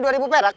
dua ribu perak